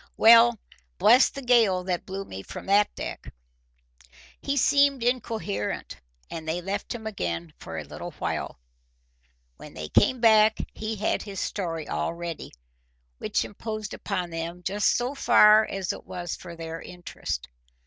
Well, bless the gale that blew me from that deck!" He seemed incoherent, and they left him again for a little while. When they came back he had his story all ready, which imposed upon them just so far as it was for their interest.